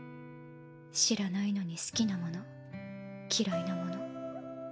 知らないのに好きなもの嫌いなもの。